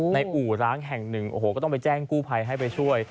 ในอู่ร้างหนึ่งต้องไปแจ้งกู่ภัยให้ไปช่วย